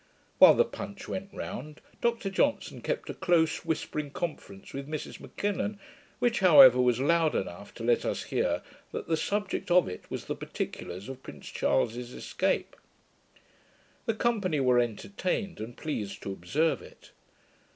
While the punch went round, Dr Johnson kept a close whispering conference with Mrs M'Kinnon, which, however, was loud enough to let us hear that the subject of it was the particulars of Prince Charles's escape. The company were entertained and pleased to observe it.